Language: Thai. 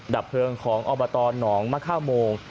ดับเพลิงของอบตหนองมะค่าโมง